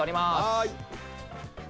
はい！